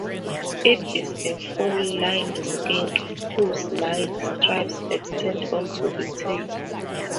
It is a four-lined skink whose light stripes extend onto the tail.